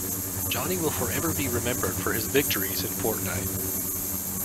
Johnny will forever be remembered for his victories in Fortnite.